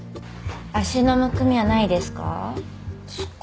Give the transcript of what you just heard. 足のむくみはないですか？